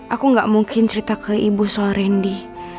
aku gak mungkin cerita ke ibu soal randy